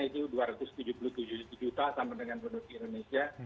itu dua ratus tujuh puluh tujuh juta sama dengan penduduk indonesia